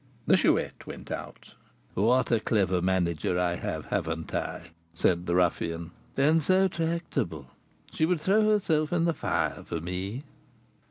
The Chouette went out. "What a clever manager I have, haven't I?" said the ruffian; "and so tractable, she would throw herself into the fire for me."